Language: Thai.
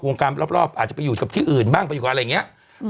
วงการรอบอาจจะไปอยู่กับที่อื่นบ้างไปอยู่กับอะไรอย่างนี้